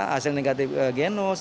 hasil negatif genus